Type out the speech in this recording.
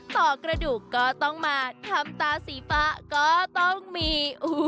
ต่อกระดูกก็ต้องมาทำตาสีฟ้าก็ต้องมี